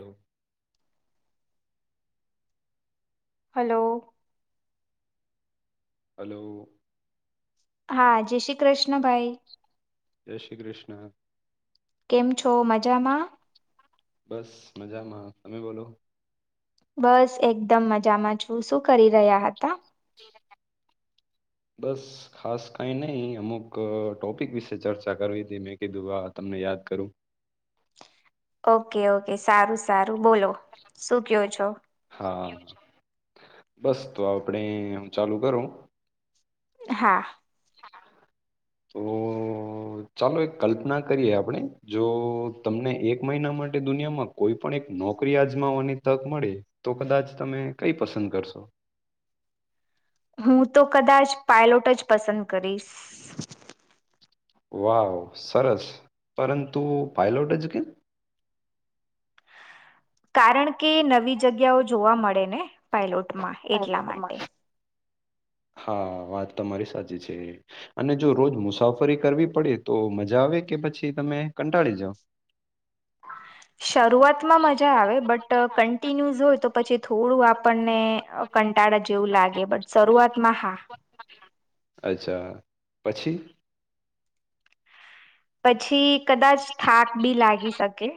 હ. Hello. Hello. હા જય શ્રી કૃષ્ણભાઈ. જય શ્રી કૃષ્ણ. કેમ છો મજામાં? બસ મજામાં તમે બોલો. બસ એકદમ મજામાં છું, શું કરી રહ્યા હતા? બસ ખાસ કઈ નહી અમુક ટોપિક વિશે ચર્ચા કરવી હતી મેં કીધું આ તમને યાદ કરું. ઓકે ઓકે સારું સારું બોલો, શું કયો છો? હા, બસ તો આપડે હું ચાલુ કરું. હા. તો ચાલો એક કલ્પના કરીએ આપણેે, જો તમને એક મહિના માટે દુનિયામાં કોઈ પણ એક નોકરી અજમાવાની તક મળે તો કદાચ તમે કઈ પસંદ કરશો? હું તો કદાચ પાયલોટ જ પસંદ કરીશ. વાવ સરસ પરંતુ પાયલોટ જ કેમ? કારણ કે નવી જગ્યાઓ જોવા મળે ને. પાયલોટમાં. એટલા માટે હા વાત તમારી સાચી છે. અને જો રોજ મુસાફરી કરવી પડે તો મજા આવે કે પછી તમે કંટાળી જાવ. શરૂઆતમાં મજા આવે બટ કન્ટિન્યુઝ હોય તો પછી થોડું આપણને. કંટાળા જેવું લાગે બટ શરૂઆતમાં હા અચ્છા, પછી? પછી કદાચ થાક બી લાગી શકે.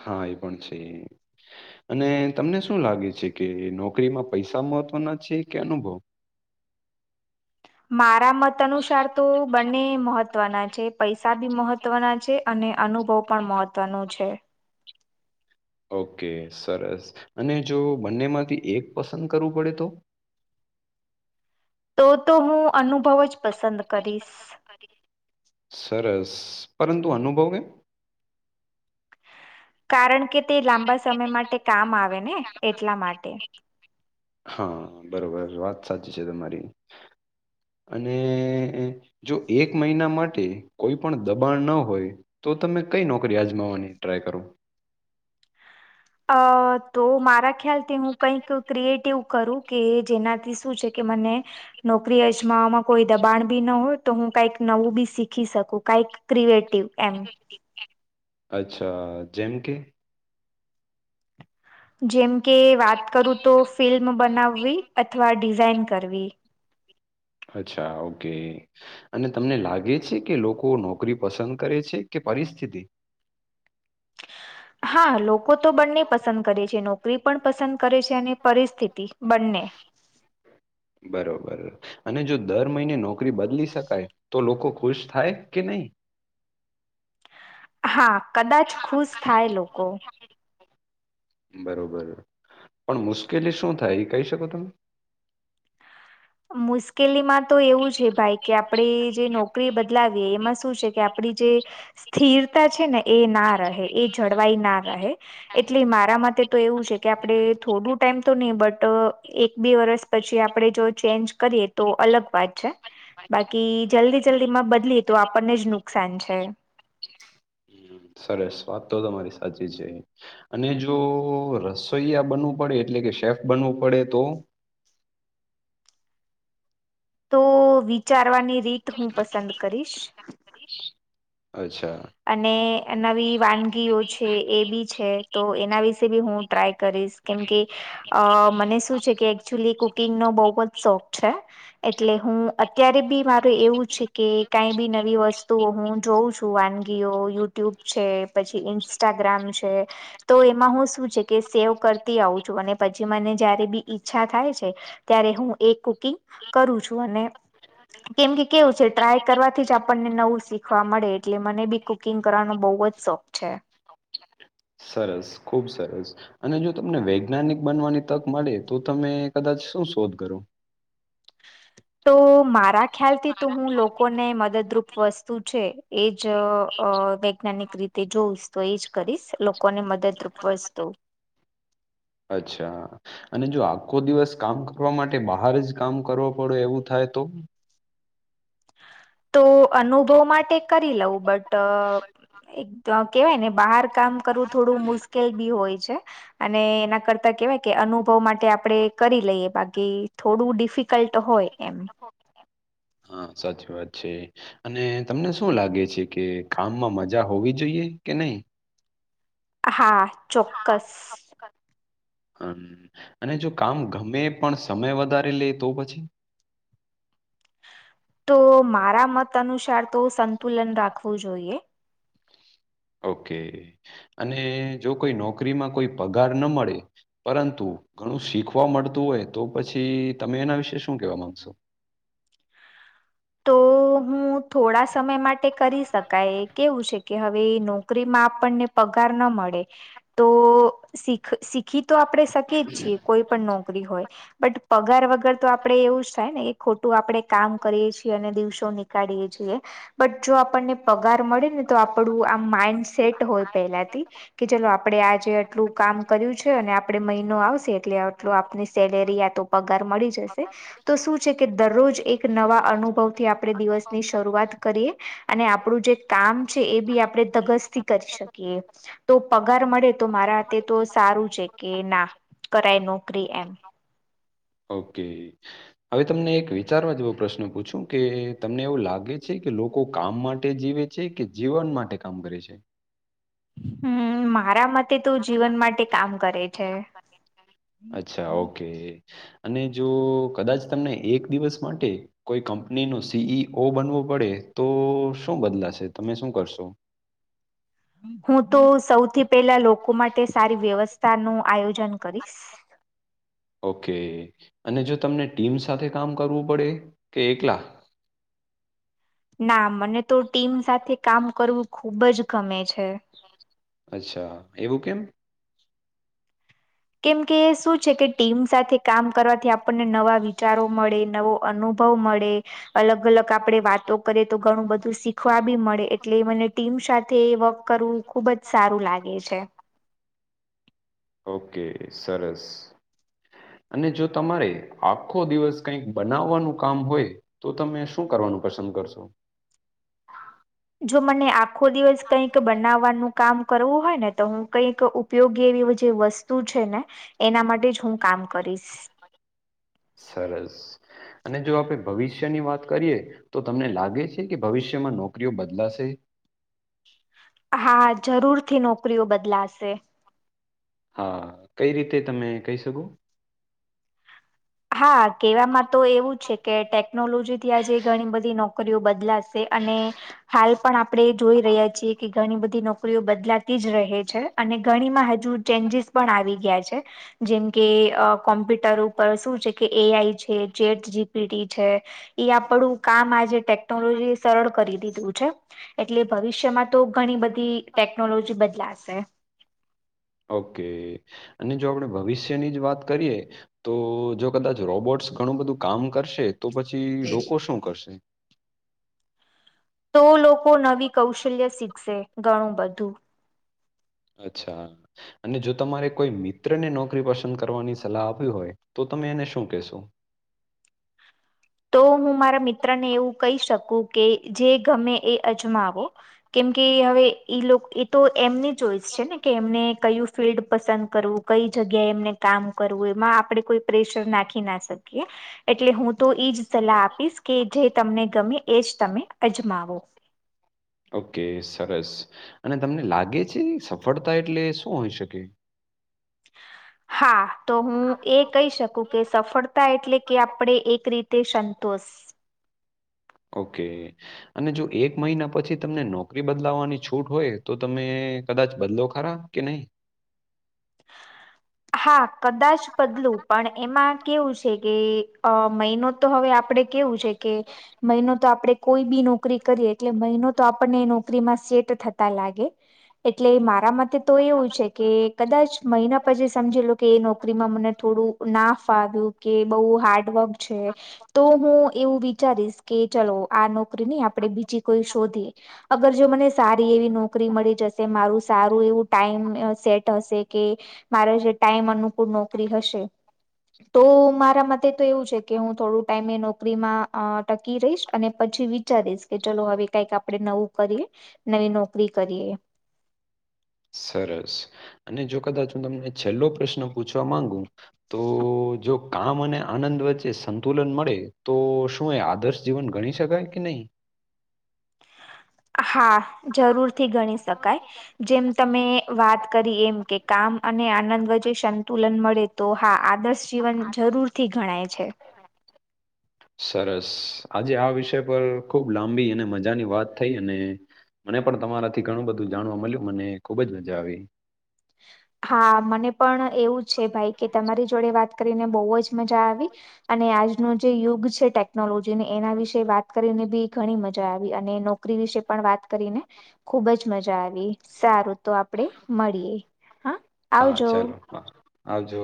હા એ પણ છે. અને તમને શું લાગે છે કે નોકરીમાં પૈસા મહત્વના છે કે અનુભવ? મારા મત અનુસાર તો બંને મહત્વના છે. પૈસા બી મહત્વના છે અને અનુભવ પણ મહત્વનો છે. ઓકે સરસ, અને જો બંનેમાંથી એક પસંદ કરવું પડે તો? તો તો હું અનુભવ જ પસંદ કરીશ. સરસ પરંતુ અનુભવ એ? કારણ કે તે લાંબા સમય માટે કામ આવે ને એટલા માટે. હા બરોબર વાત સાચી છે તમારી, અને જો એક મહિના માટે કોઈ પણ દબાણ ન હોય. તો તમે કઈ નોકરી અજમાવાની ટ્રાય કરો? અ તો મારા ખ્યાલથી હું કઈક ક્રિએટિવ કરું. કે જેનાથી શું છે કે મને નોકરી અજમાવામાં કોઈ દબાણ બી ન હોય તો હું કઈક નવું બી શીખી શકું કઈક ક્રિએટીવ એમ અચ્છા જેમ કે જેમ કે વાત કરું તો ફિલ્મ બનાવવી અથવા ડિઝાઇન કરવી. અચ્છા ઓકે. અને તમને લાગે છે કે લોકો નોકરી પસંદ કરે છે કે પરિસ્થિતિ હા લોકો તો બંને પસંદ કરે છે નોકરી પણ પસંદ કરે છે અને પરિસ્થિતિ બંને બરોબર. અને જો દર મહિને નોકરી બદલી શકાય તો લોકો ખુશ થાય કે નહી હા કદાચ ખુશ થાય લોકો બરોબર પણ મુશ્કેલી શું થાય એ કહી શકો તમે મુશ્કેલીમાં તો એવું છે ભાઈ કે આપણે જે નોકરી બદલાવીએ એમાં શું છે કે આપડી જે સ્થિરતા છે ને એ ના રહે એ જળવાઈ ના રહે. એટલે મારા માટે તો એવું છે કે આપણે થોડું ટાઈમ તો નહી બટ એક બે વર્ષ પછી આપડે જો ચેન્જ કરીએ તો અલગ વાત છે. બાકી જલ્દી જલ્દીમાં બદલી તો આપણને જ નુકસાન છે. હમ, સરસ વાત તો તમારી સાચી છે. અને જો રસોઈયા બનવું પડે એટલે કે શેફ બનવું પડે તો તો વિચારવાની રીત હું પસંદ કરીશ. અચ્છા. અને નવી વાનગીઓ છે એ બી છે તો એના વિશે બી હું ટ્રાય કરીશ કેમ કે અ મને શું છે કે એકચુલી કુકિંગનો બોવ જ શોખ છે. એટલે હું અત્યારે બી મારે એવું છે કે કઈ બી નવી વસ્ત તો હું જોઉં છું વાનગીઓ યુટ્યુબ છે પછી ઇન્સ્ટાગ્રામ છે. તો એમાં હું શું છે કે સેવ કરતી આવું છું અને પછી મને જયારે બી ઈચ્છા થાય છે. ત્યારે હું એ કુકિંગ કરું છું અને કેમ કે કેવું છે ટ્રાય કરવાથી જ આપણને નવું શીખવા મળે એટલે મને બી કુકિંગ કરવાનો બહુ જ શોખ છે. સરસ ખૂબ સરસ. અને જો તમને વૈજ્ઞાનિક બનવાની તક મળે તો તમે કદાચ શું શોધ કરો. તો [inaudible] મારા ખ્યાલથી તો હું લોકોને મદદરૂરૂપ વસ્તુ છે એ જ વૈજ્ઞાનિક રીતે તે જોઉસ તો એજ કરીશ લોકોને મદદરૂપ વસ્તુ અચ્છા. અને જો આખો દિવસ કામ કરવા માટે બહાર જ કામ કરવો પડે એવું થાય તો તો અનુભવ માટે કરી લઉં બટ એક કેવાય ને બહાર કામ કરવું થોડું મુશ્કેલ બી હોય છે અને એના કરતા કેવાય કે અનુભવ માટે આપણે કરી લઈએ બાકી થોડું ડિફિકલ્ટ હોય એમ હા સાચી વાત છે. અને તમને શું લાગે છે કે કામમાં મજા હોવી જોઈએ કે નહી? હા. ચોક્કસ હા હમ અને જો કામ ગમે પણ સમય વધારે લે તો પછી? તો મારા મત અનુસાર તો સંતુલન રાખવું જોઈએ. ઓકે અને જો કોઈ નોકરીમાં કોઈ પગાર ન મળે પરંતુ ઘણું શીખવા મળતું હોય તો પછી તમે એના વિશે શું કેવા માંગશો? તો હું થોડા સમય માટે કરી શકાય કેવું છે કે હવે નોકરીમાં આપણને પગાર ન મળે. તો શીખી તો આપણે શકીએ જ છીએ કોઈ પણ નોક હોય બટ પગાર વગર તો આપણેે એવું જ થાય ને કે ખોટું આપણેે કામ કરીએ છે અને દિવસો નીકાળીએ છીએ. બટ જો આપણને પગાર મળે ને તો આપણું આપડું માઈન્ડસેટ હોય પહેલાથી કે ચલો આપડે આજે આટલું કામ કર્યું છે અને આપડે મહિનો આવશે એટલે આટલ આપની સેલેરી આ તો પગાર મળી જશે તો શું છે કે દરરોજ એક નવા અન અનુભવથી આપણે દિવસ ની શરૂઆત કરીએ અને આપણું જે કામ છે એ બી આપણે ધગસ થી કરી શકીએ. કીએ. તો પગાર મળે તો મારા હાથે તો સારું છે કે ના કરાય નોકરી એમ ઓકે. હવે તમને એક વિચારવા જેવો પ્રશ્ન પૂછું કે તમને એવું લાગે છે કે લોકો કામ માટે જીવે છે કે જીવન માટે કામ કરે છે. હમ મારા મતે તો જીવન માટે કામ કરે છે. અચ્છા ઓકે અને જો કદાચ તમને એક દિવસ માટે કોઈ કંપનીનો સીઈઓ બનવું પડે તો શું બદલાશે તમે શું કરશો? હું તો સૌથી પેલા લોકો માટે સારી વ્યવસ્થાનું આયોજન કરીશ. ઓકે અને જો તમને ટીમ સાથે કામ કરવું પડે કે એકલા ના મને તો ટીમ સાથે કામ કરવું ખુબ જ ગમે છે. અચ્છા એવું કેમ? કેમ કે શું છે કે ટીમ સાથે કામ કરવાથી આપણને નવા વિચારો મળે નવો અનુભવ મળે અલગ અલગ આપણે વાતો કરીએ તો ઘણું બધું શીખવા બી મળે એટલે મને ટીમ સાથે વ કરવું ખુબ જ સારું લાગે છે. ઓકે સરસ. અને જો તમારે આખો દિવસ કઈક બનાવવાનું કામ હોય. તો તમે શું કરવાનું પસંદ કરશો? જો મને આખો દિવસ કઈક બનાવવાનું કામ કરવું હોય ને તો હું કઈક? ઉપયોગી એવી એવી જે વસ્તુ છે ને એના માટે જ હું કામ કરીશ. સરસ અને જો આપણે ભવિષ્યની વાત કરીએ. તો તમને લાગે છે કે ભવિષ્યમાં નોકરીઓ બદલાશે. હા જરૂરથી નોકરીઓ બદલાશે. હા કઈ રીતે તમે કહી શકો? હા કહેવામાં તો એવું છે કે ટેકનોલોજી ત્યાં જે ઘણી બધી નોકરીઓ બદલાશે અને હાલ પણ આપણેે જોઈ રહ્યા છીએ કે ઘણી બધી નોકરી નોકરીઓ બદલાતી જ રહે છે અને ઘણીમાં હજુ ચેન્જીસ પણ આવી ગયા છે. જેમ કે કોમ્પ્યુટર ઉપર શું છે કે એ આઈ છે ચેટ જીપીટી છે. એ આપણું કામ આજે ટેકનોલોજી એ સરળ કરી દીધું છે. એટલે ભવિષ્યમાં તો ઘણી બધી ટેકનોલોજી બદલાશે. ઓકે અને જો આપણે ભવિષ્યની જ વાત કરીએ. તો જો કદાચ રોબોટ્સ ઘણું બધું કામ કરશે તો પછી લોકો શું કરશે? તો લોકો નવી કૌશલ્ય શીખશે ઘણું બધું. અચ્છા, અને જો તમારે કોઈ મિત્રને નોકરી પસંદ કરવાની સલાહ આપવી હોય. તો તમે એને શું કહેશો? તો હું મારા મિત્ર ને એવું કહી શકું કે જે ગમે એ અજમાવો. કેમ કે હવે ઈ એ તો એમને ચોઈસ છે ને કે એમણે કયું ફિલ્ડ પસંદ કરવું કઈ જગ્યા એ એમને કામ કરવું એમાં આપડે કોઈ પ્રેશર નાખી ના શકીએ, એટલે હું તો એજ સલાહ આપીશ કે જે તમને ગમે એજ તમે અજમાવો. ઓકે સરસ, અને તમને લાગે છે સફળતા એટલે શું હોઈ શકે? [inaudible] હા તો હું એ કહી શકું કે સફળતા એટલે કે આપણે એક રીતે સંતોષ. ઓકે. અને જો એક મહિના પછી તમને નોકરી બદલાવાની છૂટ હોય તો તમે કદાચ બદલો ખરા કે નહી? હા કદાચ બદલું પણ એમાં કેવું છે કે અ મહિનો તો હવે આપડે કેવું છે કે, મહિનો તો આપણે કોઈ બી નોકરી કરીએ એટલે મહિનો તો આપણને એ નોકરીમાં સેટ થતા લાગે. એટલે મારા મતે તો એવું છે કે કદાચ મહિના પછી સમજી લો કે એ નોકરીમાં મને થોડું ના ફાવ્યું કે બઉુ હાર્ડવર્ક છે. તો હું એવું વિચારીશ કે ચલો આ નોકરી નય આપણે બીજી કોઈ શોધી. અગર જો મને સારી એવી નોકરી મળી જશે મારું સારું એવું ટાઈમ અ સેટ હશે કે અ મારે જે ટાઈમ અનુકૂળ નોકરી હશે. તો મારા મતે તો એવું છે કે હું થોડું ટાઈમે એ નોકરીમાં અ ટકી રહીશ અને પછી વિચારીશ કે ચલો હવે કઈક આપણે નવું કરીએ, નવી નોકરી કરીએ. સરસ, અને જો કદાચ હું તમને છેલ્લો પ્રશ્ન પૂછવા માંગુ. તો જો કામ અને આનંદ વચ્ચે સંતુલન મળે તો શું એ આદર્શ જીવન ગણી શકાય કે નહી? હા જરૂરથી ગણી શકાય. જેમ તમે વાત કરી એમ કે કામ અને આનંદ વચ્ચે સંતુલન મળે તો હા આદર્શ જીવન જરૂરથી ગણાય છે. સરસ આજે આ વિષય પર ખુબ લાંબી અને મજાની વાત થઈ અને મને પણ તમારાથી ઘણું બધું જાણવા મળ્યું મને ખુબ જ મજા આવી. હા મને પણ એવું જ છે ભાઈ કે તમારી જોડે વાત કરીને બહુ જ મજા આવી. અને આજનો જે યુગ છે ટેકનોલોજી ને એના વિશે વાત કરીને બી ઘણી મજા આવી અને કરી વિશે પણ વાત કરીને, ખુબ જ મજા આવી સારું તો આપણેે મળીએ. હા. હા આવજો ચાલો હા, આવજો.